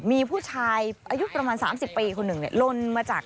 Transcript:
มีผู้ชายอายุประมาณ๓๐ปีคนหนึ่ง